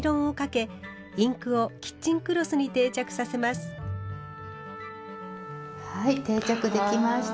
仕上げにはい定着できました。